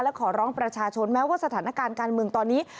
และขอร้องประชาชนแม้ว่าสถานการณ์การเมืองตอนนี้